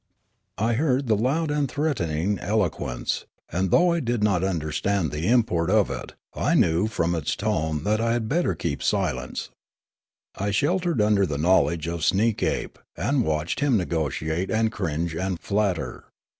I heard the loud and threatening eloquence, and Wotnekst 201 though I did not understand the import of it I knew from its tone that I had better keep silence, I shel tered under the knowledge of Sneekape, and watched him negotiate and cringe and flatter.